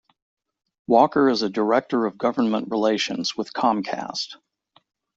Walker is a director of government relations with Comcast.